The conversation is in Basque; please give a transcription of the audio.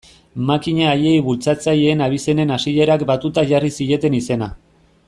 Makina haiei bultzatzaileen abizenen hasierak batuta jarri zieten izena.